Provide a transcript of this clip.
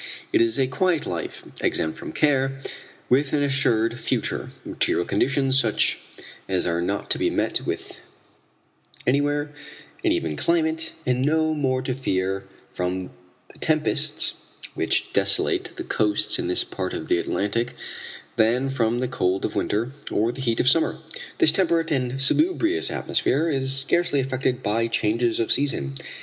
It is a quiet life, exempt from care, with an assured future, material conditions such as are not to be met with anywhere, an even climate and no more to fear from the tempests which desolate the coasts in this part of the Atlantic than from the cold of winter, or the heat of summer. This temperate and salubrious atmosphere is scarcely affected by changes of season.